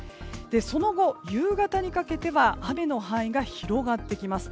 その後、夕方にかけては雨の範囲が広がってきます。